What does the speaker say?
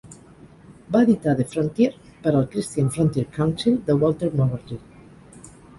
Va editar "The Frontier" per al Christian Frontier Council de Walter Moberly.